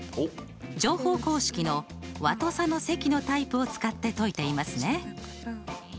乗法公式の和と差の積のタイプを使って解いていますね。